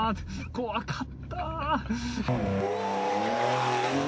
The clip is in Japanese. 怖かった。